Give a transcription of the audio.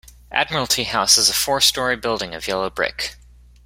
Admiralty House is a four-storey building of yellow brick.